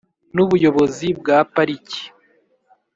n’ubuyobozi bwa pariki